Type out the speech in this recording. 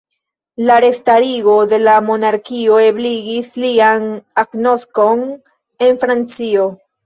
La restarigo de la monarkio ebligis lian agnoskon en Francio.